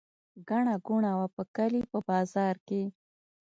ګڼه ګوڼه وه په کلي په بازار کې.